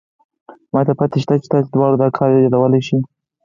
ما له پته شتې چې تاسې دواړه دا کار يادولې شې.